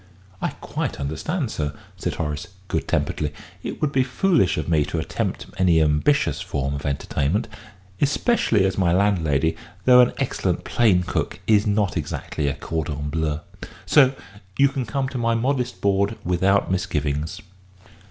"I quite understand, sir," said Horace, good temperedly; "it would be foolish of me to attempt any ambitious form of entertainment especially as my landlady, though an excellent plain cook, is not exactly a cordon bleu. So you can come to my modest board without misgivings."